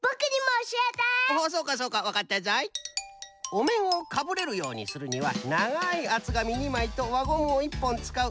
おめんをかぶれるようにするにはながいあつがみ２まいとわゴムを１ぽんつかう。